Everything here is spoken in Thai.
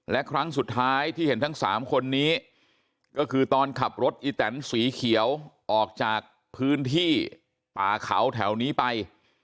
และครั้งสุดท้ายที่เห็นทั้ง๓คนนี้ก็คือตอนขับรถอีแตนสีเขียวออกจากพื้นที่ป่าเขาแถวนี้ไป